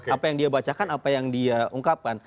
apa yang dia bacakan apa yang dia ungkapkan